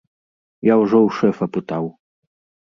Я ўжо ў шэфа пытаў.